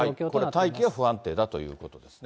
大気が不安定だということですね。